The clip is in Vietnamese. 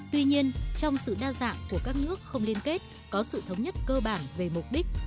tuy nhiên trong sự đa dạng của các nước không liên kết có sự thống nhất cơ bản về mục đích